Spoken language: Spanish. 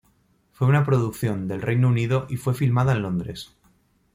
Fue una producción del Reino Unido y fue filmada en Londres.